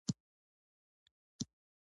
متلونه ادبي او هنري رنګ لري